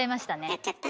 やっちゃった？